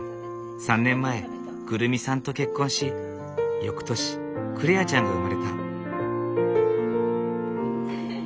３年前来未さんと結婚し翌年來愛ちゃんが生まれた。